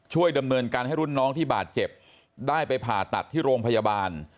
ดำเนินการให้รุ่นน้องที่บาดเจ็บได้ไปผ่าตัดที่โรงพยาบาล